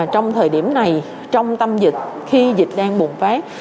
trong thời điểm này trong tâm dịch khi dịch đang bùng phát